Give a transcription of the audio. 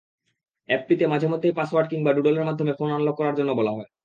অ্যাপটিতে মাঝেমধ্যেই পাসওয়ার্ড কিংবা ডুডলের মাধ্যমে ফোন আনলক করার জন্য বলা হয়।